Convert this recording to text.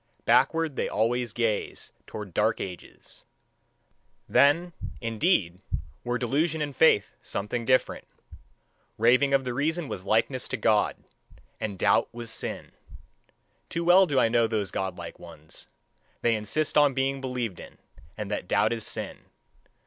Backward they always gaze toward dark ages: then, indeed, were delusion and faith something different. Raving of the reason was likeness to God, and doubt was sin. Too well do I know those godlike ones: they insist on being believed in, and that doubt is sin.